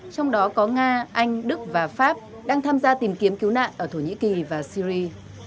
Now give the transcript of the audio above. trong đó có nga anh đức và pháp đang tham gia tìm kiếm cứu nạn ở thổ nhĩ kỳ và syri